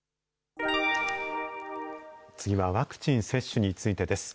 次はワクチン接種についてです。